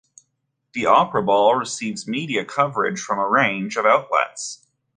The opera ball receives media coverage from a range of outlets.